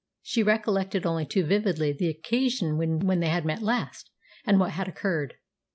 She recollected only too vividly the occasion when they had met last, and what had occurred.